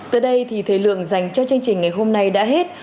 tới đây thì thời lượng dành cho chương trình ngày hôm nay đã hết